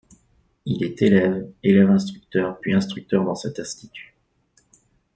Il est élève, élève-instructeur puis instructeur dans cet institut.